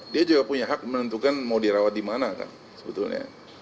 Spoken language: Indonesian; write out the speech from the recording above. dia juga punya hak menentukan mau dirawat di mana kan sebetulnya